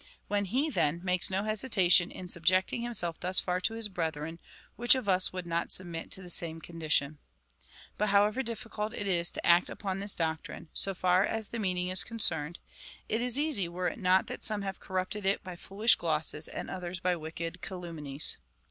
When he, then, makes no hesitation in subject ing himself thus far to his brethren, which of us would not submit to the same condition ? But, however difficult it is to act up to this doctrine, so far as the meaning is concerned, it is easy, were it not that some have corrupted it by foolish glosses, and others by wicked calumnies.